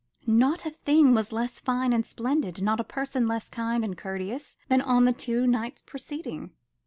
Not a thing was less fine and splendid, not a person less kind and courteous than on the two nights preceding.